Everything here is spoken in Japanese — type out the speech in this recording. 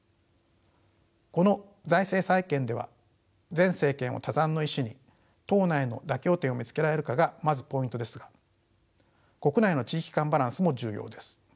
この財政再建では前政権を他山の石に党内の妥協点を見つけられるかがまずポイントですが国内の地域間バランスも重要です。